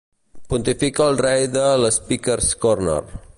Pontifica el rei de l'Speaker's Corner—.